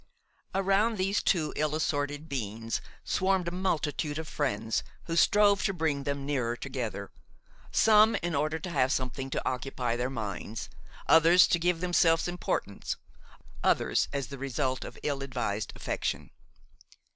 Around these two ill assorted beings swarmed a multitude of friends who strove to bring them nearer together, some in order to have something to occupy their minds, others to give themselves importance, others as the result of ill advised affection.